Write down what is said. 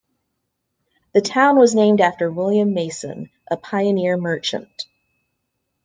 The town was named after William Mason, a pioneer merchant.